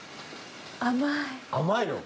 あっ甘い。